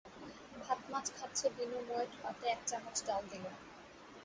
ভাত-মাছ খাচ্ছে বিনু মেয়েট পাতে এক চামচ ডাল দিল।